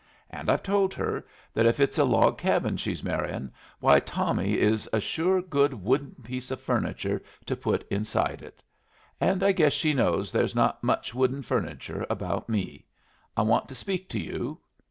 And I've told her that if it's a log cabin she's marryin', why Tommy is a sure good wooden piece of furniture to put inside it. And I guess she knows there's not much wooden furniture about me. I want to speak to you."